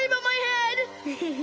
フフフ！